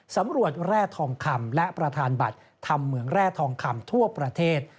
สำรวจแร่ทองคำและประธานบัตรธรรมเหมืองแร่ทองคำทั่วประเทศ